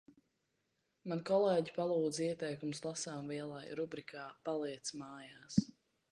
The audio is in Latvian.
Man kolēģi palūdza ieteikumus lasāmvielai rubrikā "paliec mājās".